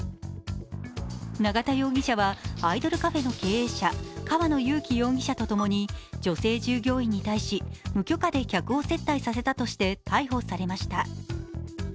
永田容疑者はアイドルカフェの経営者、河野祐樹容疑者と共に女性従業員に対し無許可で客を接待させたとして逮捕されました。